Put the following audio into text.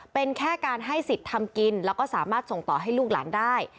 เป็นแค่การให้สิทธิ์ทำกินแล้วก็สามารถส่งต่อให้ลูกหลานได้